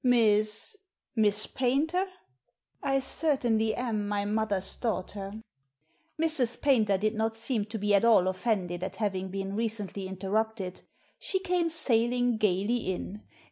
"^Miss — Miss Paynter?" • I certainly am my mother*s daughter. Mrs. Paynter did not seem to be at all ofTended at having been recently interrupted She came sailing gaily in.